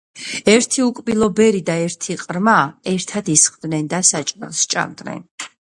ერთი უკბილო ბერი და ერთი ყრმა ერთად ისხდენ და საჭმელს სჭამდნენ.